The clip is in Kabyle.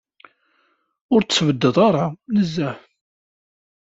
Ur tessbeεdeḍ ara nezzeh.